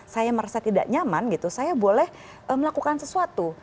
saya merasa tidak nyaman gitu saya boleh melakukan sesuatu